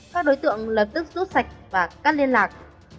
các đối tượng lập tức rút sạch và cắt liên lạc